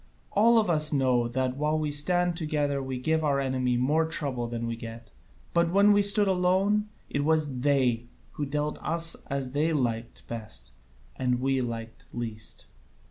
All of us know that while we stand together we give our enemy more trouble than we get: but when we stood alone it was they who dealt with us as they liked best and we liked least."